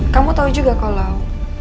kamu tau juga kalau